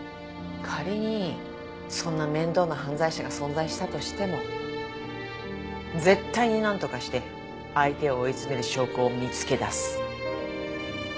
仮にそんな面倒な犯罪者が存在したとしても絶対になんとかして相手を追い詰める証拠を見つけ出す。